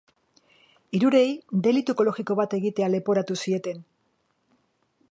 Hirurei delitu ekologiko bat egitea leporatu zieten.